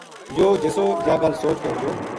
یوہ جِسو یاہ گل سوچ کے اُٹھیو